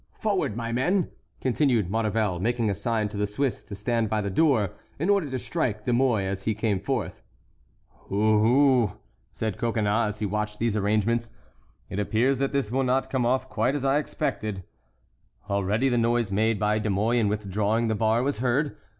Forward, my men!" continued Maurevel, making a sign to the Swiss to stand by the door, in order to strike De Mouy as he came forth. "Oho!" said Coconnas, as he watched these arrangements; "it appears that this will not come off quite as I expected." Already the noise made by De Mouy in withdrawing the bar was heard.